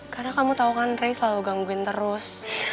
karena kamu tau kan ray selalu gangguin terus